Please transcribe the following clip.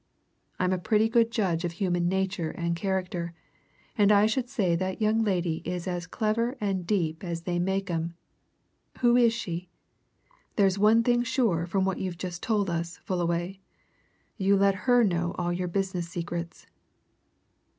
I'm a pretty good judge of human nature and character, and I should say that young lady is as clever and deep as they make 'em. Who is she? There's one thing sure from what you've just told us, Fullaway you let her know all your business secrets."